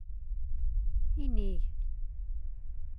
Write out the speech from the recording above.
Inig.